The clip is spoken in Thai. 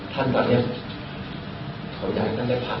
คุณของเท่านั้นต้องไปถาม